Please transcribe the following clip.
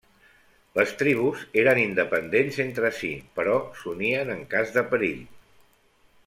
Les tribus eren independents entre si però s'unien en cas de perill.